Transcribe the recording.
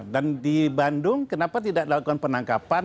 di bandung kenapa tidak dilakukan penangkapan